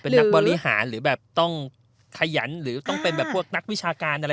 เป็นนักบริหารหรือแบบต้องขยันหรือต้องเป็นแบบพวกนักวิชาการอะไร